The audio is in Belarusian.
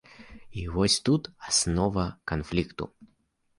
І вось тут аснова канфлікту.